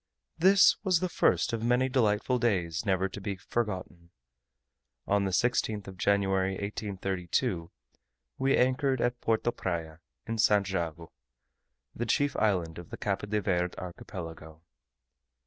This was the first of many delightful days never to be forgotten. On the 16th of January, 1832, we anchored at Porto Praya, in St. Jago, the chief island of the Cape de Verd archipelago.